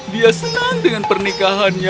dia senang dengan pernikahannya